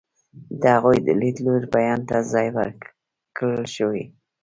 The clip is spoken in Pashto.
د هغوی د لیدلوري بیان ته ځای ورکړل شوی.